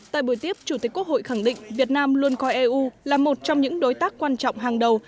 tại buổi tiếp chủ tịch quốc hội khẳng định việt nam luôn coi eu là một trong những đối tác quan trọng hàng đầu